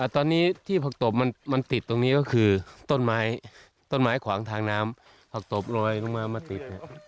ตอนนี้ที่ผักตบมันติดตรงนี้ก็คือต้นไม้ต้นไม้ขวางทางน้ำผักตบลอยลงมามาติด